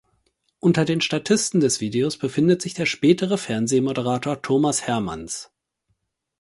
Unter den Statisten des Videos befindet sich der spätere Fernsehmoderator Thomas Hermanns.